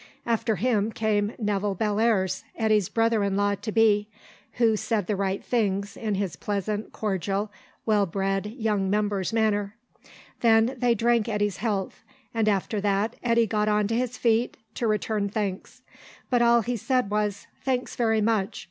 After him came Nevill Bellairs, Eddy's brother in law to be, who said the right things in his pleasant, cordial, well bred, young member's manner. Then they drank Eddy's health, and after that Eddy got on to his feet to return thanks. But all he said was "Thanks very much.